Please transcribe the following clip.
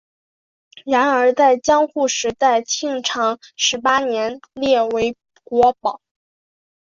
然而在江户时代庆长十八年列为国宝。